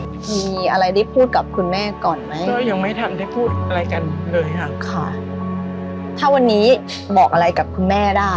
จะมีอะไรได้พูดกับคุณแม่ก่อนไหม